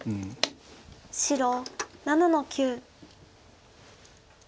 白７の九。